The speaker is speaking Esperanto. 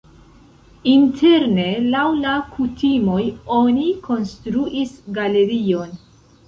Interne laŭ la kutimoj oni konstruis galerion.